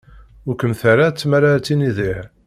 Ur kem-terra ara tmara ad tiniḍ ih.